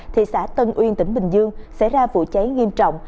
thị xã tân uyên tỉnh bình dương xảy ra vụ cháy nghiêm trọng